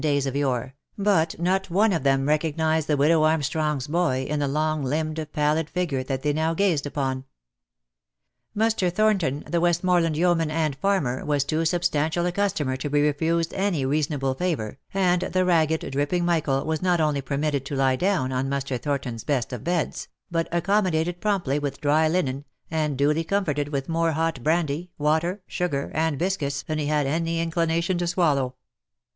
303 days of yore, but not one of them recognised the widow Armstrong's boy, in the long limbed, pallid figure, that they now gazed upon. Muster Thornton, the Westmorland yeoman and farmer, was too substantial a customer to be refused any reasonable favour, and the ragged, dripping Michael was not only permitted to lie down on Muster Thornton's best of beds, but accommodated promptly with dry linen, and duly comforted with more hot brandy, water, sugar, and biscuits than he had any inclination to swallow.